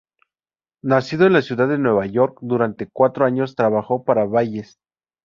Nacido en la ciudad de Nueva York, durante cuatro años trabajó para Bayes.